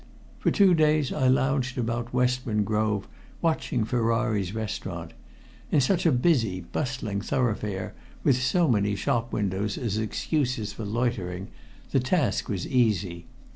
For two days I lounged about Westbourne Grove watching Ferrari's restaurant. In such a busy, bustling thoroughfare, with so many shop windows as excuses for loitering, the task was easy.